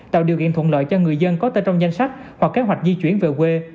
tạo điều kiện thuận lợi cho người dân có tên trong danh sách hoặc kế hoạch di chuyển về quê